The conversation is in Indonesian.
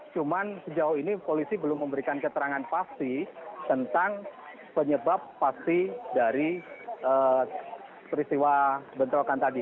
cuman sejauh ini polisi belum memberikan keterangan pasti tentang penyebab pasti dari peristiwa bentrokan tadi